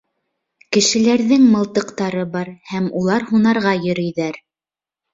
Кешеләрҙең мылтыҡтары бар, һәм улар һунарға йөрөйҙәр.